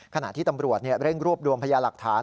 ขณะที่ตำรวจเร่งรวบรวมพยาหลักฐาน